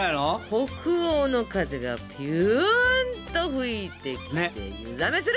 北欧の風がピュンと吹いてきて湯冷めする！